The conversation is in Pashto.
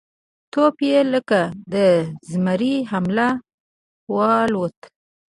توپ یې لکه د زمري حمله والوته